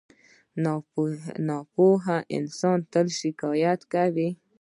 • ناپوهه انسان تل شکایت کوي.